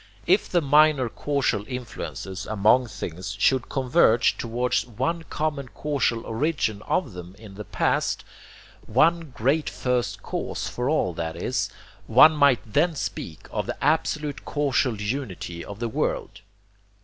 If the minor causal influences among things should converge towards one common causal origin of them in the past, one great first cause for all that is, one might then speak of the absolute causal unity of the world.